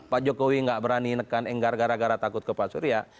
pak jokowi nggak berani nekan enggar gara gara takut ke pak surya